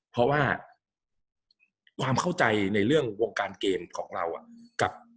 เพราะว่าความเข้าใจในเรื่องวงการเกมของเรากับ